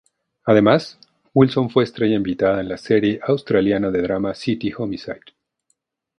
Además, Wilson fue estrella invitada en la serie australiana de drama "City Homicide".